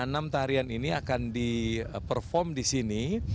nah enam tarian ini akan di perform di sini